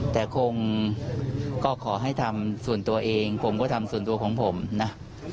แต่คงก็ขอให้ทำส่วนตัวเองผมก็ทำส่วนตัวของผมนะ